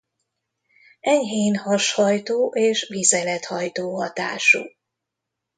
Enyhén hashajtó és vizelethajtó hatású.